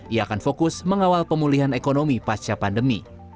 ia akan fokus mengawal pemulihan ekonomi pasca pandemi